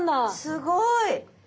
すごい。